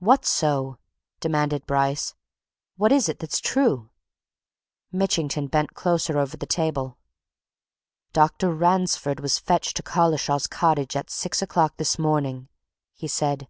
"What's so?" demanded Bryce. "What is it that's true?" Mitchington bent closer over the table. "Dr. Ransford was fetched to Collishaw's cottage at six o'clock this morning!" he said.